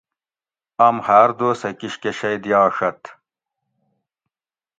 آم ہاۤر دوسہ کِشکہ شئ دیاڛت